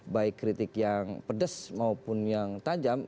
baik kritik yang pedes maupun yang tajam